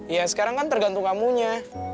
ya sekarang kan tergantung kamunya